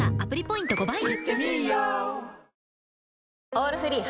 「オールフリー」